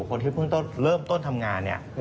คนที่เพิ่งเริ่มต้นทำงาน